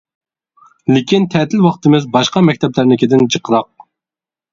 لېكىن تەتىل ۋاقتىمىز باشقا مەكتەپلەرنىڭكىدىن جىقراق.